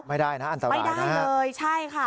ไม่ได้นะอันตรายนะเลยใช่ค่ะ